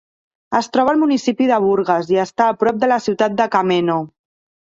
Es troba al municipi de Burgas i està a prop de la ciutat de Kameno.